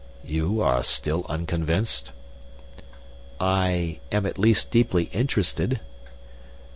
You are still unconvinced?" "I am at least deeply interested."